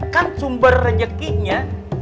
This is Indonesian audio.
kan sumber rejekinya